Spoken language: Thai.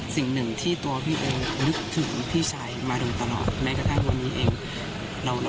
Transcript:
สิ่งหนึ่งที่พี่โอนึกถึงพี่ชายมาตลอดแม้กระทะวันนี้ทันเอง